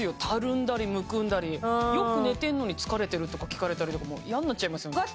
たるんだりむくんだりよく寝てんのに「疲れてる？」とか聞かれたりとかもう嫌になっちゃいますよ